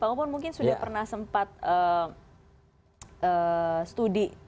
pengupan mungkin sudah pernah sempat studi